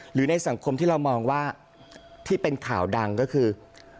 หรือในสังคมที่เรามองว่าที่เป็นข่าวดังก็คือ